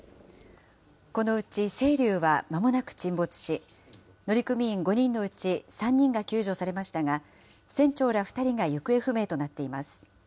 このうちせいりゅうはまもなく沈没し、乗組員５人のうち３人が救助されましたが、船長ら２人が行方不明となっています。